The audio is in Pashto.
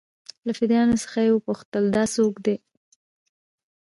له فدايانو څخه يې وپوښتل دا سوک دې.